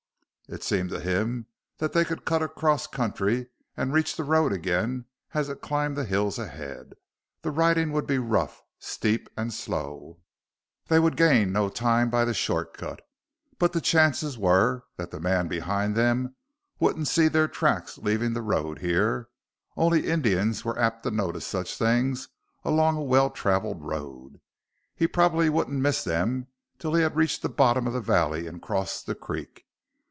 It seemed to him that they could cut cross country and reach the road again as it climbed the hills ahead. The riding would be rough, steep, and slow; they would gain no time by the shortcut. But the chances were that the man behind them wouldn't see their tracks leaving the road here only Indians were apt to notice such things along a well traveled road. He probably wouldn't miss them till he had reached the bottom of the valley and crossed the creek.